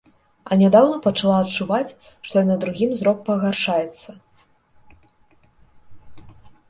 А нядаўна пачала адчуваць, што і на другім зрок пагаршаецца.